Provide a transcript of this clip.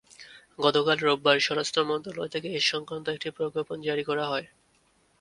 গতকাল রোববার স্বরাষ্ট্র মন্ত্রণালয় থেকে এ-সংক্রান্ত একটি প্রজ্ঞাপন জারি করা হয়।